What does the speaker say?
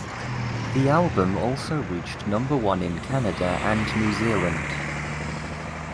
The album also reached number one in Canada and New Zealand.